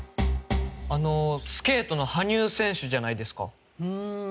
あのスケートの羽生選手じゃないですか？